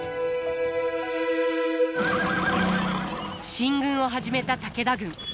進軍を始めた武田軍。